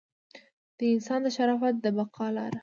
د انسان د شرافت د بقا لاره.